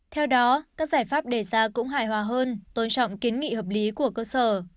theo đó các giải pháp đề ra cũng hài hòa hơn tôn trọng kiến nghị hợp lý của cơ sở